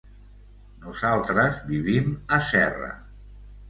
Nosaltres vivim a Serra.